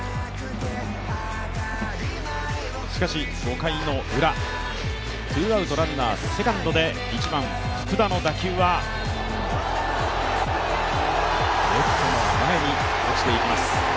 しかし、５回のウラ、ツーアウト、ランナー・セカンドで１番・福田の打球はレフトの前に落ちていきます。